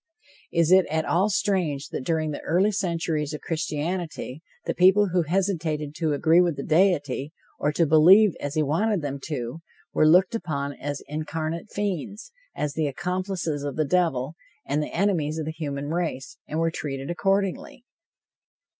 Is it at all strange that during the early centuries of Christianity, the people who hesitated to agree with the deity, or to believe as he wanted them to, were looked upon as incarnate fiends, as the accomplices of the devil and the enemies of the human race, and were treated accordingly?